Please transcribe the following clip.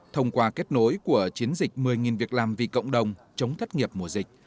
thông qua kết nối của chiến dịch một mươi việc làm vì cộng đồng chống thất nghiệp mùa dịch